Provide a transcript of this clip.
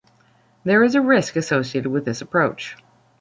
There is a risk associated with this approach.